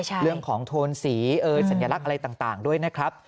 เรื่องของโทนสีสัญลักษณ์อะไรต่างด้วยนะครับ